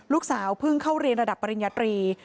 ลูกสาวเพิ่งเข้าเรียนระดับปริญญาตรี